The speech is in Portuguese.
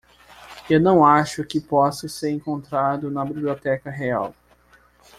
Eu não acho que possa ser encontrado na Biblioteca Real.